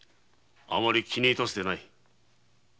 あまり気に致すでない。